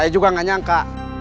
saya juga gak nyangka